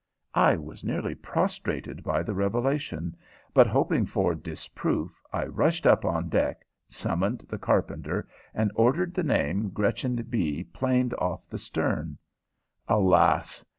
I was nearly prostrated by the revelation, but, hoping for disproof, I rushed up on deck, summoned the carpenter, and ordered the name Gretchen B. planed off the stern. Alas!